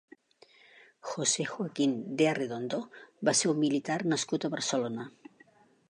José Joaquín de Arredondo va ser un militar nascut a Barcelona.